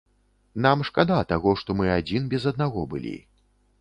Нам шкада таго, што мы адзін без аднаго былі.